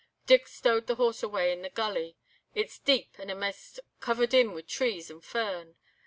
Dick stowed the horse away in the gulley. It's deep, and amaist covered in wi' trees and fern.